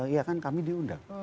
iya kan kami diundang